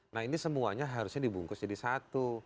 nah ini semuanya harusnya dibungkus jadi satu